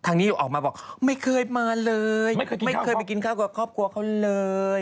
นี้ออกมาบอกไม่เคยมาเลยไม่เคยไปกินข้าวกับครอบครัวเขาเลย